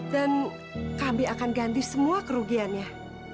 dan kami akan ganti semua kerugiannya